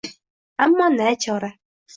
Ammo nachora?..